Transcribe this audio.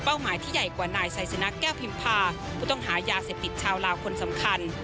หมายที่ใหญ่กว่านายไซสนะแก้วพิมพาผู้ต้องหายาเสพติดชาวลาวคนสำคัญ